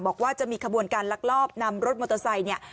บอกว่าจะมีขบวนการลักลอบนำรถมอเตอร์ไซค์เนี่ย